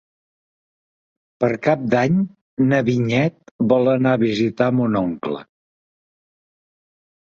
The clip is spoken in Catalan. Per Cap d'Any na Vinyet vol anar a visitar mon oncle.